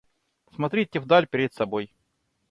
Смотрите в даль перед собой.